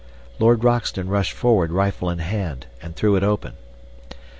Lord Roxton rushed forward, rifle in hand, and threw it open.